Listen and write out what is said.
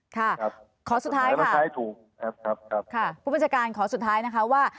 ขอสุดท้ายค่ะคุณบัญชาการขอสุดท้ายนะคะว่า